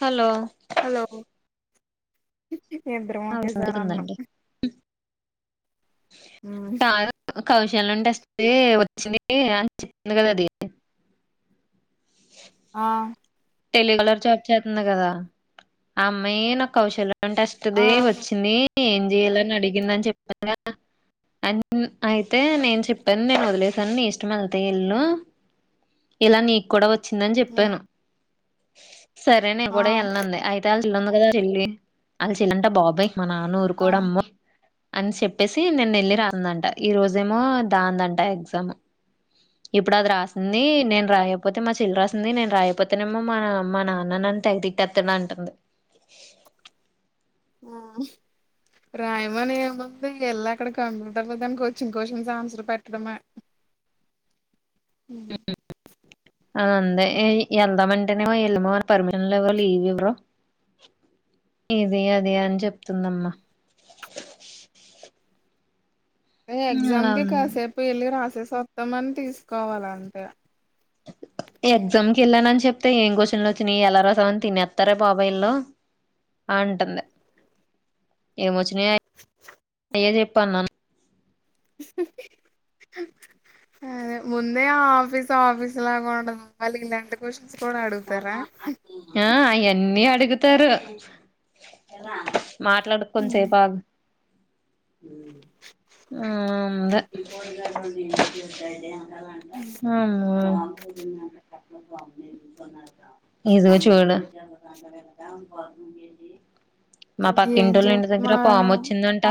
Hello hello ఇద్దరం okay sir అన్నాం తుందండి ఆ కౌశల్ ఉంటే వస్తది వచ్చింది అని చెప్పింది కదా అది ఆ టెలికలర్ జాబ్ చేస్తుంది కదా ఆ అమ్మాయే నాకు కౌశల్ ఆ ఉంటెస్టుది వచ్చింది ఏం చెయాలని అడిగిందని చెప్పానుగా అ అయితే నేను చెప్పాను నేను వదిలేసాను నీ ఇష్టం వెళ్తే వెల్లు ఇలా నీ కూడా వచ్ వచ్చిందని ఉమ్ చెప్పాను సరే నే ఆ కూడా వెలన్ అంది ఐతే చెల్లుంది కదా చెల్లి అళ చెలంటే బాబోయ్ మా నాన్న ఆ ఊరుకోడు అమ్మో అని చెప్పేసి నిన్న వెళ్ళి రాతందంట ఈ రోజేమో దాందంట ఎగ్జాము ఇప్పుడు అది రాసింది నేను రాయపోతే మా చెల్లి రాసింది నేను రాయపోతేనేమొ మమా మా నాన్న నన్ తెగ తిట్టేత్తడు అంటుంది ఊ రాయమను ఏముంది, ఎళ్ళి అక్కడ కంప్యూటర్ మీదన్ కొచిన్ క్వశ్చన్స్ ఆన్సర్ పెట్టడమే. [inaudible] అ అందే ఎ ఎళ్దామంటేనేమో ఎళ్మో అని పర్మిషన్లు ఎవర్ లీవ్ ఇవ్రు ఇదీ అదీ అని చెప్తుందమ్మ ఏ ఎగ్జామ్ అలా కి కాసేపు ఎళ్ళి రాసేసి ఒత్తామని తీసుకోవాలంతే ఎగ్జామ్ కెళ్ళానని చెప్ తే ఏం కొషన్లు ఒచ్చినయ్ ఎలా రాసావని తినేత్తరే బాబు ఈల్లు అంటుంది ఏమోచ్చిన [inaudible] అయ్యే చెప్పు అన్నాను అదే ముందే ఆ ఆఫీస్ ఆఫీస్ లాగా ఉండదు మళ్ళి ఇలాంటి కొష ఆ ఐ అన్నీ అడుగుతారు మాట్లాడు కొన్సేపాగు [inaudible] ఊ ఉంది హుమ్మ ఇదో చూడ మా ఏం పక్కింటిళ్ళ ఇంటి దగ్గర పామ్ చెప్తున్నారా వచ్చిందంట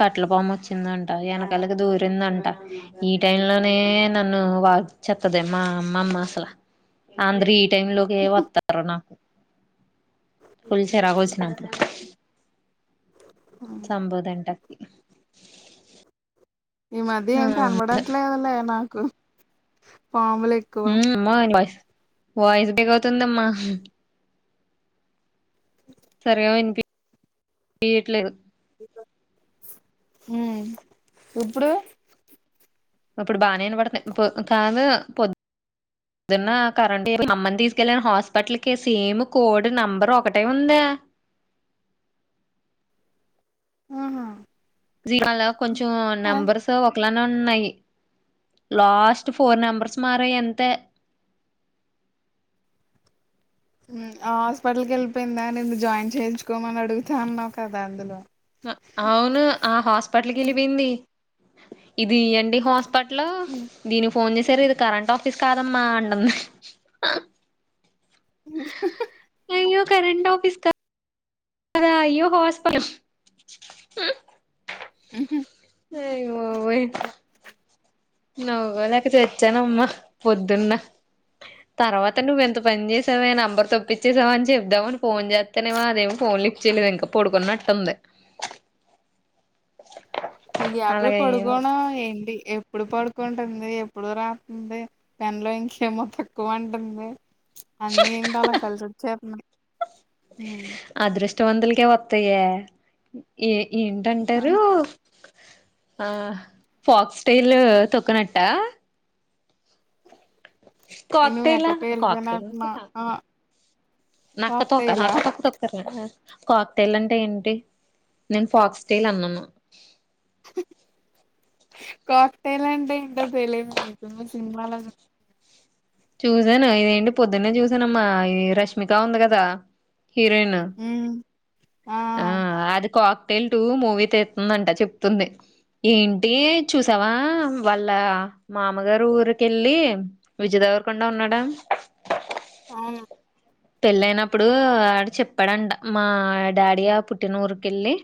కట్లపాము వచ్చిందంట వెనకాలకి దూరిందంట ఈ టైం లోనే నన్ను వా చెత్తదే మా అమ్మమ్మ అసల అందరు ఈ టైం లోకే వత్తరు నాకు ఉల్చ రగోల్సినపు సంబుదింట ఈ మధ్య ఏం కనబడట్లేదులే నాకు పాములు ఎక్కువ అమ్మో వాయిస్ వాయిస్ బేక్ అవుతుందమ్మా సరిగా వినిపి [inaudible] ఇయట్లేదు హూ ఇప్పుడు ఇప్పుడు బానే ఇనవడ్తుంది పొ కాదు పొద్ దున్న కరెంట్ [inaudible] మా అమ్మని తీసుకెళ్ళాను హాస్పిటల్కి సేమ్ కోడ్ నెంబర్ ఒకటే ఉందే ఆహా జీవలో కొంచెం నెంబర్స్ ఒకలానే ఉన్నాయి లాస్ట్ ఫోర్ నెంబర్స్ మారాయి అంతే హాస్పిటల్కి ఎళ్ళిపోయిందా నిన్ను జాయిన్ చేయించుకోమని అడుగుతా అన్నావు కదా అందులో అ అవును ఆ హాస్పిటల్కి ఎళ్ళిపోయింది ఇదీ ఎన్ డి హాస్ప ట్లో దీని ఫోన్ చేసారు ఇది కరెంట్ ఆఫీస్ కాదమ్మా అంటుంది ఉహహ అయ్యో కరెంట్ ఆఫీస్ క [unintelligible] దా అయ్యో హాస్ప [unintelligible] అయ్ బాబోయ్ నవ్వుకోలేక చచ్చానమ్మ పొద్దున్న తర్వాత నువ్ళు ఎంత పని చేస్ సెవే నంబర్ తప్పిచ్చేసావని చెప్దాం అని ఫోన్ చేత్తేనేమో, అదేమో ఫోన్ లిఫ్ట్ చేయలేదు ఇంక పడుకున్నట్టుంది. ఈ గ్యాప్ లో అలాగే అయింది పడుకోవడం ఏంటి ఎప్పుడు పడుకుంటుంది ఎప్పుడు రాతుంది పెన్ లో ఇంకేమో తక్కువ అంటుంది అన్నే ఎంటలా కలిసొచ్చేత్నాయ్ టోంటల్కే వత్తయే ఆ ఫాక్స్ టైల్ తొక్కనట్టా నువ్వు కాక్టెల ఎక్కడికో కాక్టెల్ వెళ్ళిపోయినట్టున్నావ్ [unintelligible] ఆ నక్క తోక కాక్టైలా నక్క తోక తొక్కుతారు కదా! కాక్ టైల్ అంటే ఏంటి? నేను ఫాక్స్ టైల్ అన్నాను. కాక్టైల్ అంటే ఏంటో తెలిదనీకు సినిమాలో. [unintelligible] చూసాను. ఇదేంటి పొద్దున్నే చూసానమ్మా, ఈ రష్మిక ఉంది కదా! హీరోయిన్ ఉమ్ ఆ అది కాక్ టెయిల్ టు మూవీ తితుందంట చెప్తుంది. ఏంటి చూసావా? వాళ్ల మామగారు ఊరికెళ్ళి విజయద. దేవరకొండ ఉన్నాడా అవును పెళ్లయినప్పుడు ఆడు చెప్పాడంట మా. డాడి ఆ పుట్టిన ఊరికేళ్లి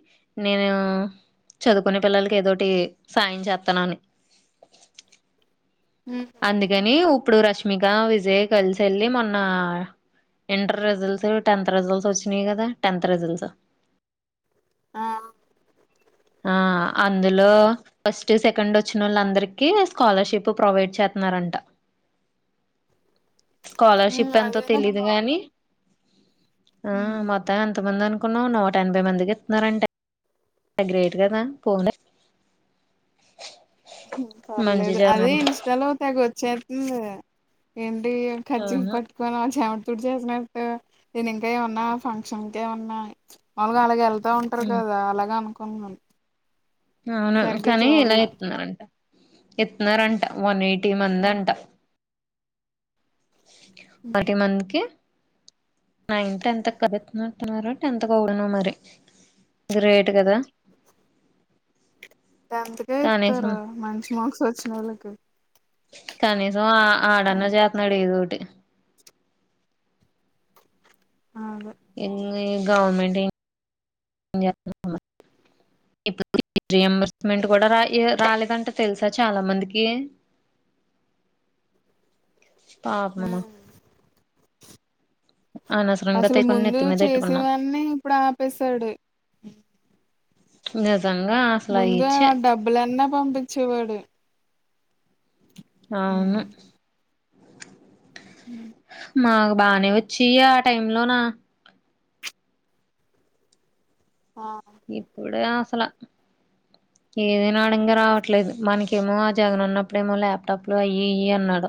నేను. చదువుకునే పిల్లలకి ఏదోటి సాయం చేస్తానని. ఉమ్ అందుకని ఇప్పుడు రష్మిక, విజయ్ కలిసి వెళ్ళి మొన్న. ఇంటర్ రిజల్ట్స్, టెన్త్ రిజల్ట్స్ వచ్చినాయి కదా! టెన్త్ రిజల్ట్స్ ఆ ఆ అందులో ఫస్ట్, సె కెండ్ వచ్చిన వాళ్ళందరికి స్కాలర్షిప్ ప్రొవైడ్ చేస్తున్నారంట. ఉమ్ స్కాలర్షిప్ ఎంతో అదేనా తెలీదు గాని. ఆ మ్మ్ మత్తం ఎంత మంది అను కున్నావ్. నూట ఎనభై మందికి ఇస్తున్నారంటే గ్రేట్ కదా పో. [unintelligible] మంచి పర్లేదు అదే చేత్నారు ఇన్స్టాలో తెగ వచ్చేతుంది ఏం. [unintelligible] కర్చీఫ్ అవును పట్టుకొని ఆమె చెమ్ తుడిచేసినట్టు. నేను ఇంకా ఏమన్నా ఫంక్షన్కే ఏ మన్నా మాలుగా అలాగ ఎల్. ళ్తాతంటారు ఉమ్ కదా అలాగే అనుకునెవన్నీ. అవును కానీ ఇలా ఇత్నారంట, ఇత్నారంట వన్ ఎయి. టీ మందంట [unintelligible] టీ మంది కి నైన్, టెన్త్ [unintelligible] టెన్త్ ఒక [unintelligible] మరి. గ్రేట్ కదా టెన్త్ కే కనీసం ఇత్తారు మంచి మార్క్స్ వచ్చినోళ్ళకి. కనీసం ఆ, ఆ, ఆడన్న చేతున్నాడు ఏదో ఒకటి. అదే ఇంగీ గవర్నమెంట్ [unintelligible] ఇప్పుడు ఫీజు రియంంబర్స్మెంట్ కూడా రాయే రాలేదంట తెలుసా? చాలా మందికి పాపమమ్మ అనవసరంగా అసలు తెచ్చుకొని ముందు నెత్తి మీద పెట్టుకున్నాం చేసేవాని ఇప్పుడు ఆపేశాడు. ఇం. [unintelligible] ముందేమో ఆ డబ్బులన్న పంపించేవాడు. అవును [inaudible] మాకు బానే వచ్చేయే ఆ టైం లోనా. ఆ ఇప్పుడే అసలా ఏదైనా అడంగా రావట్లేదు, మనకేమో ఆ జగన్ ఉన్నప్పుడేమో ల్యాప్టాప్లు అయ్యి, ఇయ్యి అన్నాడు.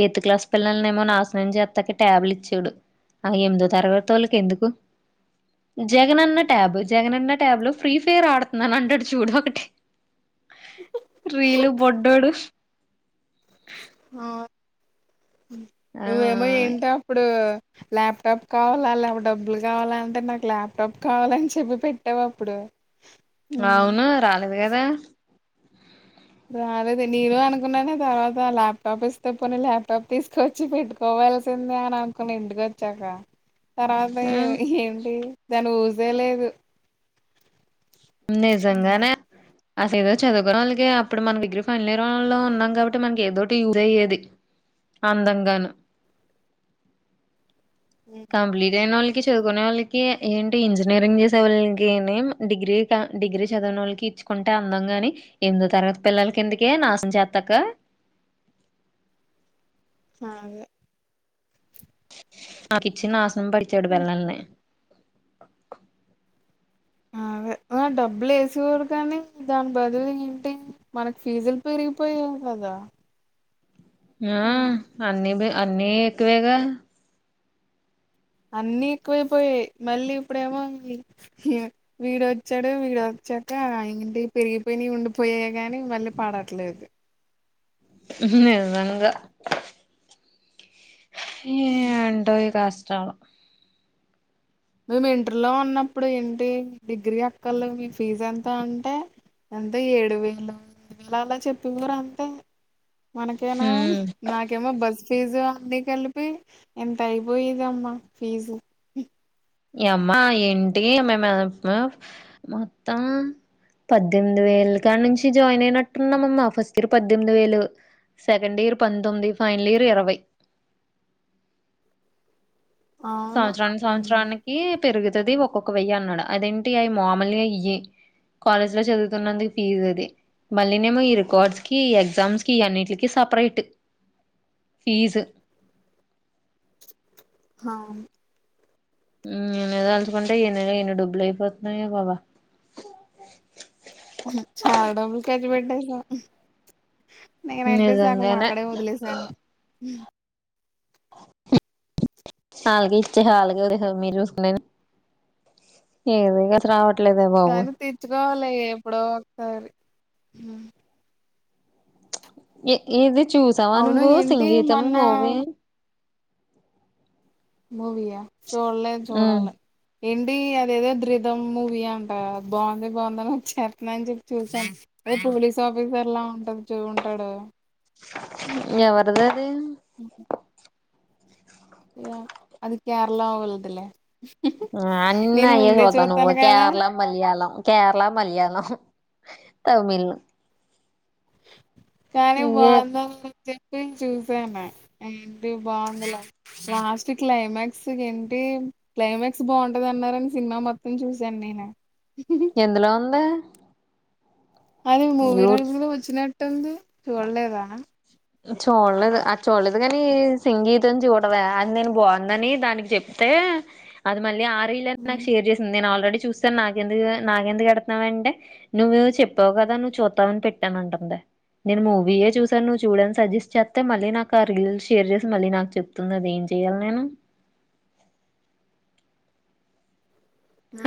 ఎయిత్ క్లాస్ పిల్లల్నేమో నాశనం చేతకి ట్యాబ్లు ఇచ్చాడు. ఆ ఎనిమిదో తరగతోళ్ళకి ఎందుకు జగనన్న ట్యాబు జగనన్న. ట్యాబ్ లో ఫ్రీ ఫైర్ ఆడుతున్నాను అంటడు చూడు ఒకటి రీలు బొడ్డోడు ఆ నువ్వేమొ ఏంటప్పుడు ల్యాప్టాప్ కావాలా లే డబ్బులు కావాల అంటే నాకు ల్యాప్టాప్ కావాలని చెప్పి పెట్టావప్పుడు అవును రాలేదు కదా రాలేదు నేను అనుకున్నానే తర్వాత ల్యాప్టాప్ ఇస్తే పోని ల్యాప్టాప్ తీసుకోచ్చి పెట్టుకో వల్సిందే అని అనుకున ఇంటికోచ్చాక తర్వాత ఆ ఏంటి దాని ఊసే లేదు నిజంగానే అసల్ ఏదో చదువుకోనోళ్ళకిే అప్పుడు మనం డిగ్రీ ఫైనల్ ఇయర్ వాళ్ళం ఉన్నాం కాబట్టి మనకి ఏదోటి యూజ్ అయ్యేది అందంగాను కంప్లిటైనోల్ కి చదువుకునే వాళ్ళకి ఏంటి ఇంజనీరింగ్ చేసే వాళ్ళకిని డిగ్రీ త డిగ్రీ చదివిన వాళ్ళకి ఇచ్చుకుంటే అందం గాని ఎనిమిదో తరగత పిల్లలకేందుకే నాశనం చేత్తాక అదే నాకిచ్చి నాసనం పడిచ్చడు పిల్లల్ని అదే ఆ డబ్బులు వేసేవాడు కానీ దాని బదులు ఏంటి మనకి ఫీజులు పెరిగిపోయేవి కద్ దా ఆ అన్ని పె అన్ని ఎక్కువేగా అన్నిీ ఎక్కువైపోయాయి మళ్ళీ ఇప్పుడేమో వీడోచ్చాడు వీడ్ చ్చాక ఇంటి పెరిగిపోయినాయ్ ఉండిపోయాయే గాని మళ్ళీ పడట్లేదు నిజంగా ఉంటో ఈ కష్టల్ మేము ఇంటర్లో ఉన్నప్పుడు ఏంటి డిగ్రీ అక్కొల్లు మీ ఫీజు ఎంత అంటే ఎంత ఏడు వేలుడు వేల అలా చెప్పే వారు అంతే మనకేనా ఉమ్ నాకేమో బస్ ఫీజు అన్నీ కలిపి ఎంత అయిపోయదమ్మా ఫీజు అమ్మా ఏంటి మీము మ మ్ మొత్తం పద్దెనిమిది వేలు కానుంచి జాయిన్ అయినట్టున్నామమ్మ మా ఫస్ట్ ఇయర్ పద్దెనిమిది వేలు సెకండ్ ఇయర్ పంతొమ్మిది ఫైనల్ ఇయర్ ఇరవై అవును సంవత్సరానికి ఉమ్ సంవత్సరానికి పెరుగుతది ఒక్కొక్క వెయ్యి అన్నాడు అదేంటి అవి మామలుగా ఇయ్యి కాలేజ్ లో చదువుతున్నందు ఫీజు అది మళ్ళీ నెమో ఈ రికార్డ్స్ కి ఈ ఎగ్జామ్స్ కి ఈ అన్నింటికి సపరేట్ ఫీజు హామ్ ఆయన్ని తలుచుకుంటే ఏ ఎన్ని డబ్బులు అయిపోతున్నాయే బాబా చాలా డబ్బుల్ ఖర్చుపెట్టేసాం నేనైతేసగం నిజంగానే ఆక్కడే వదిలేసాను వాళ్ళకే ఇచ్చి వాళ్ళకే వదిలేసావ్ మీరుచుసుకునే ఏదో ఇగ [unintelligible] కానీ తీచ్చుకోవాలి ఎప్పుడో ఒకసారి మ్ ఏ ఏది చూసావ అవును నువ్వు ఏంటి సంగీతం మొన్న మూవీ మూవి యా చూడలేద్ చూడాలి ఏంటి అదేదో ద్రిధమ్ మూవీ అంట బాగుంది బాగుందని చెప్పన్నా అని చెప్పి చూసాను అదే పోలీస్ ఆఫీసర్ లా ఉంటది చూ ఉంటాడు ఏవదరి దద్ ఉ అ అది కేరళ వోల్దిలే ఆ అన్నీ అయ్యే చుత్తవ్ నువ్వు కదా కేరళ మలయాళం కేరళ మలయాళం తమిళ్ళు కానీ బాంద చె నేన్ చూసాన ఏంటి బాందిలే లాస్ట్ క్లైమాక్స్ ఏంటి క్లైమాక్స్ బావుంటది అన్నారని సినిమా మొత్తం చూశాను నేను ఎందులో ఉంది అది యూ మూవీరూల్జ్ లో వచ్చినట్టు ఉంది చూడలేదా చూడలేదు అది చూడలేదు గాని సంగీతం చూడవే అది నేను బావుందని దానికి చెప్తే ఏ అది మళ్ళీ ఆ రీలే నాకు షేర్ చేసింది నేన్ ఆల్రెడీ చూసాను నాకు ఎందుకు నాకు ఎందుకు ఎడతన్నావ్ అంటే నువ్వు చెప్పావు కదా నువ్వు చూత్తవని పెట్టాను అంటందే నేను మూవీ ఏ చూసా నువ్వు చూడు సజెస్ట్ చేత్తే మళ్ళీ నాకు ఆ రీల్ షేర్ చేసి మళ్ళీ నాకు చెప్తుంది అది ఏం చెయాలి నేను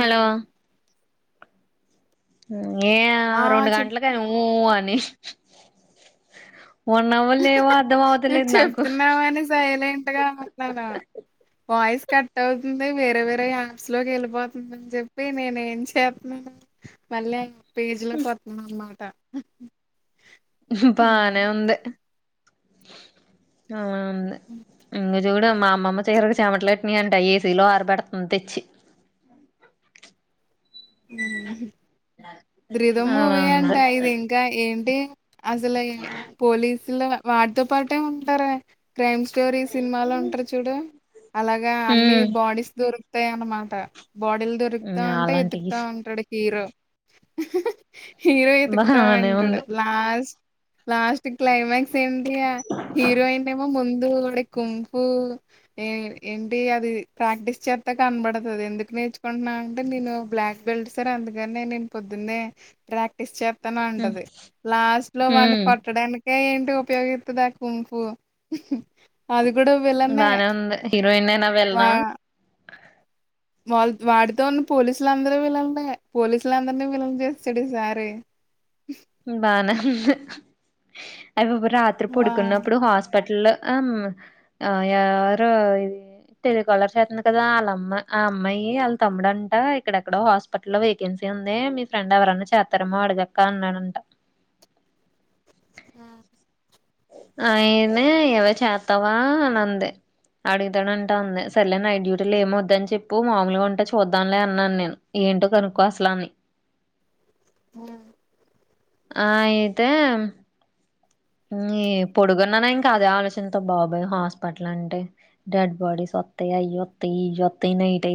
హలో ఏ ఆ రెండు చెప్ గంటలకు ఊ... అని ఉన్నా వోళ్ళు ఏమో అర్ధం నువ్వు అవుతులేదు నాకు చెప్తున్నావని సైలెంట్ గా ఉన్నాను వాయిస్ కట్ అవుతుంది వేరే వేరే యాప్స్ లోకి వెళ్ళిపోతుందని చెప్పి నేనే ఏం చేత్నాను మళ్ళీ పేజీ లో కొంతదఅన్నమాట బానే ఉంది అలా ఉంది ఇం జూడు మా అమ్మమ్మ చీరకి చేమట్లు అట్టినీ అంట ఏసీలో ఆరబెడతంది తెచ్చి మ్ రిథమ్ అలా మూవీ ఉంది అంట ఇది ఇంకా ఏంటి అసలే పోలీసుల వాడితో పాటే ఉంటారే క్రైమ్ స్టోరీ సినిమాలో ఉంట్రు చూడు అలాగా అన్ని ఉమ్ బాడీస్ దొరు తాయ్ అన్నమాట బాడీలు దొరుకుతా ఉంటే అలాంటియి ఎతుకుతా ఉంటాడు హీరో హీరో ఎతుకుతా బానే ఉంటడు ఉంది లాస్ట్ లాస్ట్ క్లైమాక్స్ ఏంటియ హీరోయిన్ ఏమో ముందు దూడి కున్ఫు ఏ ఏంటి అది ప్రాక్టీస్ చేస్తా కనబడతది ఎందుకు నేర్చుకుంటున్నావ్ అంటే నేను బ్లాక్ బెల్ట్ సార్ అందుకని నేను పొద్దున్నే ప్రాక్టీస్ చేస్తాను ఉంటది లాస్ట్ లో వాడ్ని ఉమ్ కొట్టడానికి అ ఏంటి ఉపయోగిత్తదా కున్ఫు అది కూడా విలనే బానే ఉంది హీరోయిన్ అయినా వా విలన్ వాళ్ వాడితో ఉన్న పోలీసులుందరు విలన్లే పోలీసులందరినీ విలల్ని చేసాడు ఈసారి అ బానే ఉంది అయ్ బాబోయ్ రాత్రి వా పడుకున్నప్పుడు హాస్పిటల్ లు అమ్ ఎవరు ఇది టెలికాలర్ చేత్తంది కదా ఆళ్ అమ్మ ఆ అమ్మాయి వాళ్ళ తమ్ముడు అంట ఇక్కడెక్కడో హాస్పిటల్లో లో వేకెన్సీ ఉంది మీ ఫ్రెండ్ ఎవరన్నా చేత్తారేమో అడుగక్క అన్నాడు అంట మ్ అయినే ఏవే చేత్తవా అని అంది అడుగుతాడంటా ఉంది సరేలే నైట్ డ్యూటీలు ఏమి వద్దని చెప్పు మామూలుగా ఉంటే చూద్దాంలే అన్నాను నేను ఏంటో కనుక్కో అసల అని మ్ అయితే ఈ పొడుగున్నానా ఇంకా అదే ఆలోచనతో బాబోయ్ హాస్పిటల్ అంటే డెడ్ బాడీస్ వ త్తయ్ అయ్ వత్తయ్ ఇయ్యి వత్తయ్ నైట్ అ